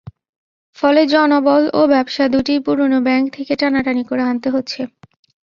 ফলে জনবল ও ব্যবসা দুটিই পুরোনো ব্যাংক থেকে টানাটানি করে আনতে হচ্ছে।